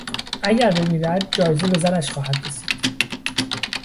اگر بمیرد جایزه به زنش خواهد رسید.